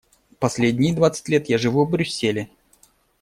Последние двадцать лет я живу в Брюсселе.